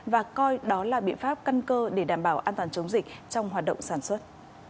và coi đó là biện pháp căn cơ để đảm bảo an toàn chống dịch trong hoạt động sản xuất